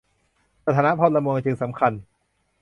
สถานะพลเมืองจึงสำคัญ